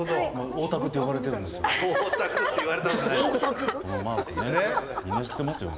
大卓って呼ばれてるんですよ。